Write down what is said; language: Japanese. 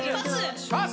パス